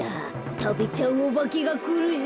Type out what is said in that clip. たべちゃうおばけがくるぞ。